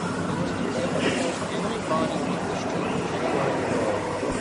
It was considered the most eminent body of English teachers anywhere in the world.